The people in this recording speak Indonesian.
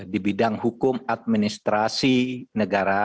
di bidang hukum administrasi negara